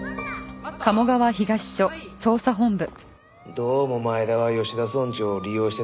どうも前田は吉田村長を利用してたみたいです。